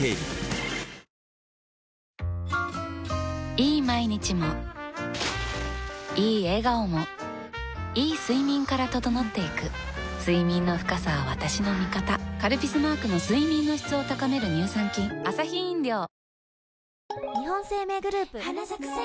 いい毎日もいい笑顔もいい睡眠から整っていく睡眠の深さは私の味方「カルピス」マークの睡眠の質を高める乳酸菌牛島！